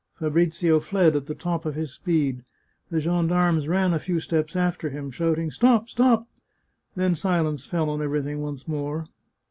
Fabrizio fled at the top of his speed. The gendarmes ran a few steps after him, shouting, " Stop 1 stop !" Then silence fell on everything once more.